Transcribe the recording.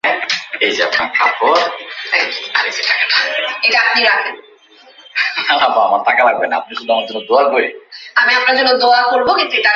মেলায় ফাঁকা পরিসর বেশি বলে পাঠকেরা ঢুকতে পারছেন বেশি, ঘুরতে-ফিরতে পারছেন স্বস্তিতে।